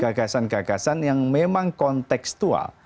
gagasan gagasan yang memang kontekstual